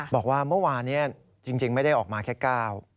บอกว่าเมื่อวานนี้จริงไม่ได้ออกมาแค่ก้าว